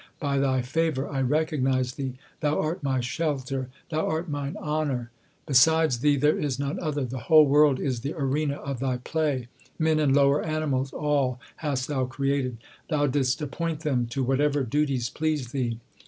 By Thy favour I recognize Thee ; Thou art my shelter, Thou art mine honour. Besides Thee there is none other ; the whole world is the arena of Thy play. Men and lower animals all hast Thou created ; Thou didst appoint them to whatever duties pleased Thee.